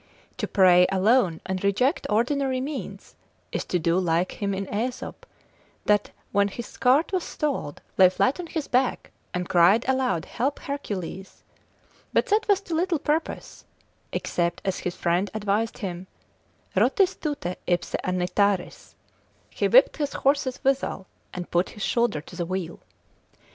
To pray alone, and reject ordinary means, is to do like him in Aesop, that when his cart was stalled, lay flat on his back, and cried aloud help Hercules, but that was to little purpose, except as his friend advised him, rotis tute ipse annitaris, he whipped his horses withal, and put his shoulder to the wheel.